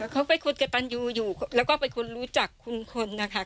เขาเป็นคนกระตันยูอยู่แล้วก็เป็นคนรู้จักคุณคนนะคะ